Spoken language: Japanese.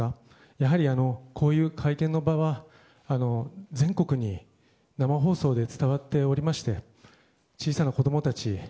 やはりこういう会見の場は全国に生放送で伝わっておりまして小さな子供たち。